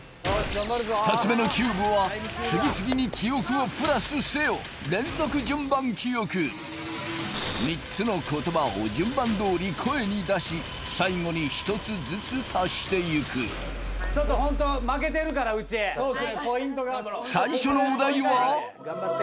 ２つ目のキューブは次々に記憶をプラスせよ３つの言葉を順番どおり声に出し最後に１つずつ足していくちょっとホント負けてるからうち最初のお題は・ええ・